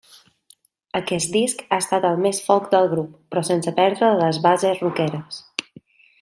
Aquest disc ha estat el més folk del grup, però sense perdre les bases rockeres.